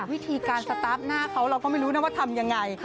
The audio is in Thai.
วิธีการสตาร์ฟหน้าเขาเราก็ไม่รู้นะว่าทำยังไง